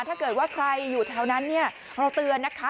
ถ้าเกิดว่าใครอยู่แถวนั้นเนี่ยเราเตือนนะคะ